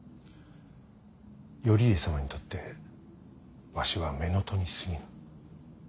頼家様にとってわしは乳父にすぎぬ。